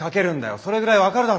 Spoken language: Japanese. それぐらい分かるだろ？